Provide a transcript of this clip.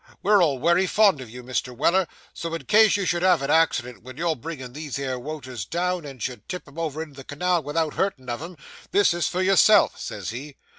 We're all wery fond o' you, Mr. Weller, so in case you should have an accident when you're bringing these here woters down, and should tip 'em over into the canal vithout hurtin' of 'em, this is for yourself," says he.